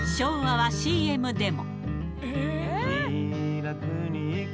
昭和はＣＭでも。